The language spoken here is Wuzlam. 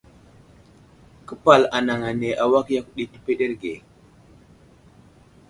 Képal anaŋ ane awak yakw ɗi təpəɗerge.